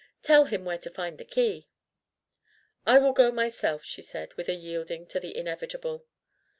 Tell him where to find the key." "I will go myself," she said with a yielding to the inevitable.